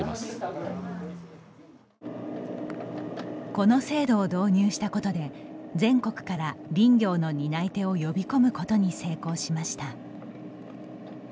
この制度を導入したことで全国から林業の担い手を呼び込むことに成功しました。